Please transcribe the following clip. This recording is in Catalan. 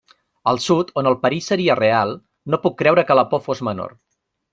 Al Sud, on el perill seria real, no puc creure que la por fos menor.